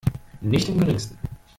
Nicht im Geringsten.